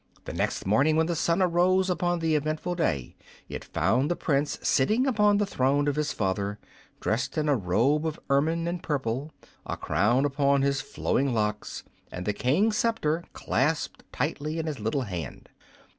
The next morning, when the sun arose upon the eventful day, it found the Prince sitting upon the throne of his father, dressed in a robe of ermine and purple, a crown upon his flowing locks and the King's scepter clasped tightly in his little hand.